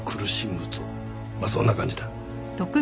まあそんな感じだ。